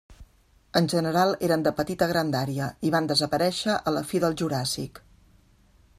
En general eren de petita grandària i van desaparèixer a la fi de Juràssic.